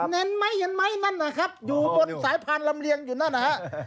เห็นไหมนั่นนะครับอยู่บนสายพานลำเลียงอยู่นั่นนะครับ